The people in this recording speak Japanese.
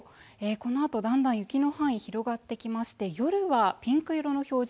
このあとだんだん雪の範囲広がってきまして夜はピンク色の表示